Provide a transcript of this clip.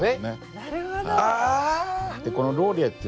なるほど。